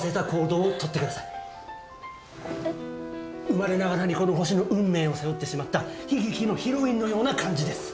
生まれながらにこの星の運命を背負ってしまった悲劇のヒロインのような感じです。